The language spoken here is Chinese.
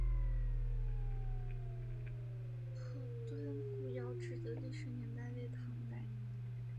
铺墩古窑址的历史年代为唐代。